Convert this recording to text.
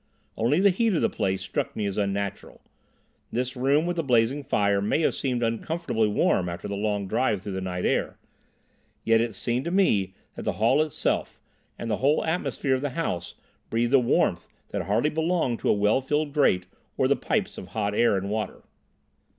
Only the heat of the place struck me as unnatural. This room with the blazing fire may have seemed uncomfortably warm after the long drive through the night air; yet it seemed to me that the hall itself, and the whole atmosphere of the house, breathed a warmth that hardly belonged to well filled grates or the pipes of hot air and water.